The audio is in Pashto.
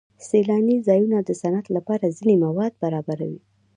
سیلاني ځایونه د صنعت لپاره ځینې مواد برابروي.